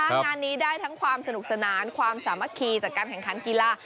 งานนี้ได้ทั้งความสนุกสนานความสามัคคีจากการแข่งขันกีฬา